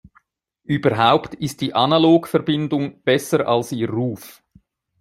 Überhaupt ist die Analogverbindung besser als ihr Ruf.